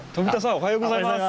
おはようございます。